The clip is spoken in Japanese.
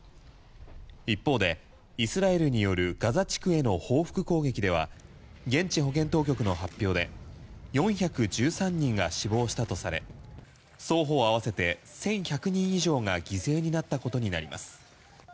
一方でイスラエルによるガザ地区への報復攻撃では現地保健当局の発表で４１３人が死亡したとされ双方合わせて１１００人以上が犠牲になったことになります。